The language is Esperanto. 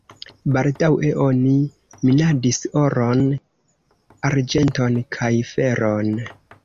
Baldaŭe oni minadis oron, arĝenton kaj feron.